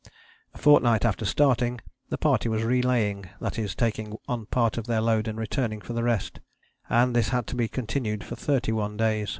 A fortnight after starting, the party was relaying that is, taking on part of their load and returning for the rest; and this had to be continued for thirty one days.